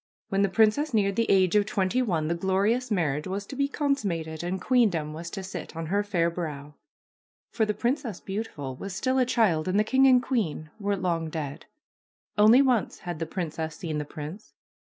When the princess neared the age of twenty one the glorious marriage was to be consummated and queendom was to sit on her fair brow. For the Princess Beautiful was still a child and the king and queen were long dead. Only once had the princess seen the prince.